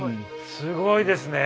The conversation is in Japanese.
すごいですね。